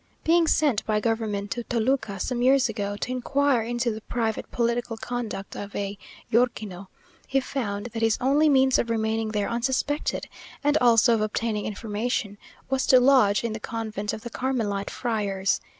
Being sent by government to Toluca, some years ago, to inquire into the private political conduct of a Yorkino, he found that his only means of remaining there unsuspected, and also of obtaining information, was to lodge in the convent of the Carmelite friars.